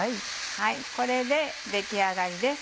これで出来上がりです。